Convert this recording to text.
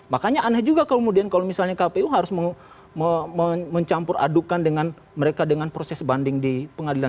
makanya aneh juga kemudian kalau misalnya kpu harus mencampur adukan dengan mereka dengan proses banding di pengadilan